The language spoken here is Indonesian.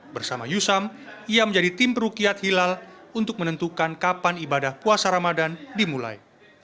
bersama yusam ia menjadi tim perukiat hilal untuk menentukan kapan ibadah puasa ramadan dimulai